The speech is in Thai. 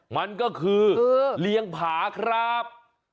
มันก็คือเลี้ยงผาครับ